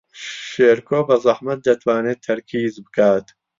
شێرکۆ بەزەحمەت دەتوانێت تەرکیز بکات.